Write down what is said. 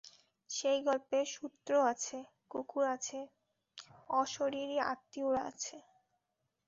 সেই গল্পে সূত্র আছে, কুকুর আছে, অশরীরী আত্মীয়রা আছে।